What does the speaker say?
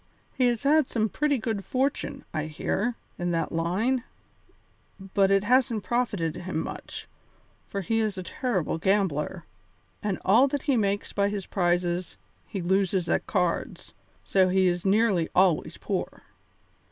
He has had some pretty good fortune, I hear, in that line, but it hasn't profited him much, for he is a terrible gambler, and all that he makes by his prizes he loses at cards, so he is nearly always poor.